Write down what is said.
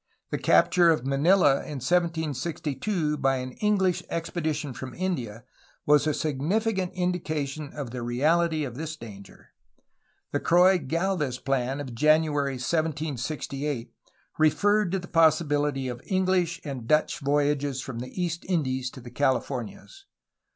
The capture of Manila in 1762 by an English expedition from India was a significant indication of the reaUty of this danger. The Croix Gdlvez plan of January 1768 referred to the possi biUty of EngUsh and Dutch voyages from the East Indies to the Cahfornias.